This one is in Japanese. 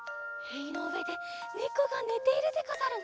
へいのうえでねこがねているでござるな。